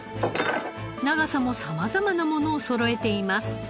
長さも様々なものをそろえています。